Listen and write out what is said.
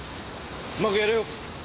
うまくやれよ。